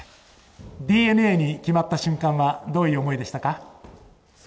ＤｅＮＡに決まった瞬間はどういう思いでしたか？